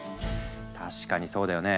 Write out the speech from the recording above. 確かにそうだよね。